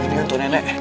ini untuk nenek